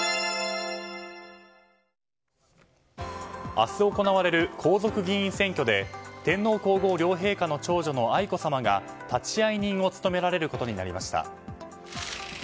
明日行われる皇族議員選挙で天皇・皇后両陛下の長女の愛子さまが立会人を務められることになりました。